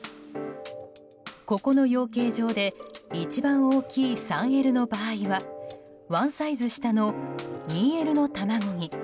ここの養鶏場で一番大きい３Ｌの場合はワンサイズ下の２Ｌの卵に。